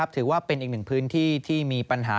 ถือว่าเป็นอีกหนึ่งพื้นที่ที่มีปัญหา